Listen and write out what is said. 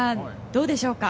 どうでしょうか。